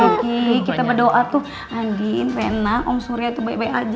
lagi kita berdoa tuh andin vena om surya itu baik baik aja